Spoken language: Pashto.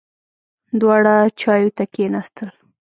دواړه چایو ته کېناستل.